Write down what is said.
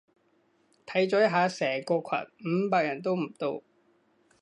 睇咗一下成個群，五百人都唔到